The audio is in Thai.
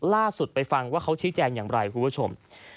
ล่าสุดไปฟังว่าเขาชี้แจงอย่างไรคุณผู้ชม